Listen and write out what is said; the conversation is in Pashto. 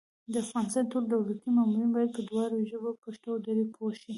د افغانستان ټول دولتي مامورین بايد په دواړو ژبو پښتو او دري پوه شي